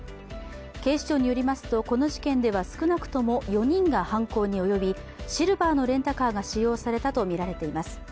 警視庁によりますと、この事件では少なくとも４人が犯行に及びシルバーのレンタカーが使用されたとみられています。